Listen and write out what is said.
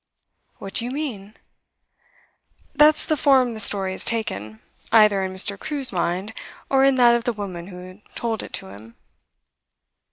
'What do you mean?' 'That's the form the story has taken, either in Mr. Crewe's mind, or in that of the woman who told it to him.